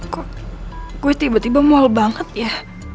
kok gue tiba tiba mual banget ya